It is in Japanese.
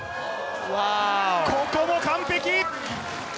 ここも完璧。